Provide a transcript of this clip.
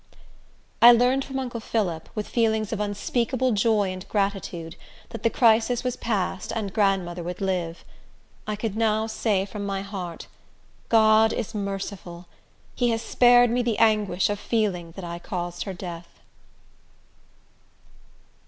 I learned from uncle Phillip, with feelings of unspeakable joy and gratitude, that the crisis was passed and grandmother would live. I could now say from my heart, "God is merciful. He has spared me the anguish of feeling that I caused her death."